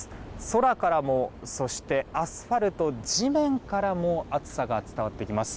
空からも、そしてアスファルト、地面からも暑さが伝わってきます。